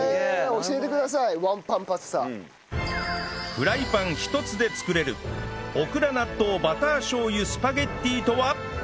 フライパン１つで作れるオクラ納豆バターしょう油スパゲッティとは？